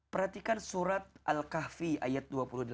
perhatikan surat al kahfi ayat dua puluh delapan